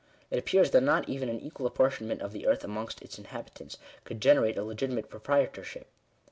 It appears that not even an equal ap portionment of the earth amongst its inhabitants could generate a legitimate proprietorship.